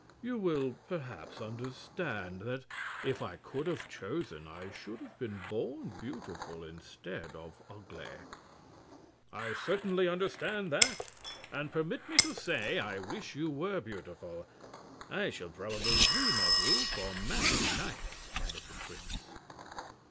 You will perhaps understand that if I could have chosen I should have been born beautiful instead of ugly." "I certainly understand that. And permit me to say I wish you were beautiful. I shall probably dream of you for many nights," added the prince.